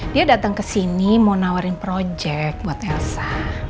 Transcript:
dia datang ke sini mau nawarin project buat elsa